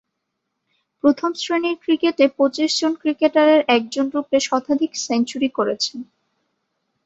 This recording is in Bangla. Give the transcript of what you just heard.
প্রথম-শ্রেণীর ক্রিকেটে পঁচিশ জন ক্রিকেটারের একজনরূপে শতাধিক সেঞ্চুরি করেছেন।